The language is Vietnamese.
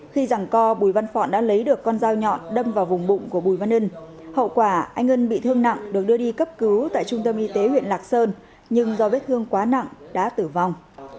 khi rằng co bùi văn phọn đã lấy được con dao nhọn đâm vào vùng bụng của bùi văn ân hậu quả anh ân bị thương nặng được đưa đi cấp cứu tại trung tâm y tế huyện lạc sơn nhưng do vết thương quá nặng đã tử vong